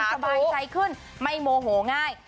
สบายใจขึ้นไม่โมโหง่าย